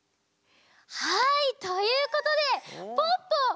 はいということでポッポふせいかい！